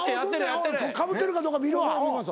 かぶってるかどうか見るわ。